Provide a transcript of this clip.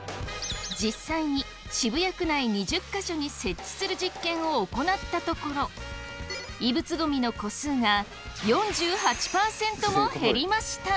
実際に渋谷区内２０か所に設置する実験を行ったところ異物ゴミの個数が４８％も減りました！